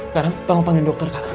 karam tolong panggil dokter